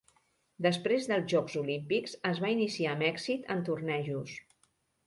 Després dels Jocs Olímpics es va iniciar amb èxit en tornejos.